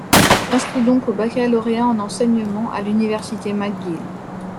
Il s'inscrit donc au baccalauréat en enseignement à l'Université McGill.